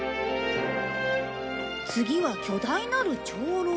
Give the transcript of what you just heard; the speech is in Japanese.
次は巨大なる長老。